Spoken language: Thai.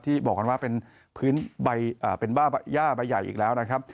ที่บอกกันว่าเป็นพื้นใบเป็นย่าใบใหญ่อีกแล้วนะครับ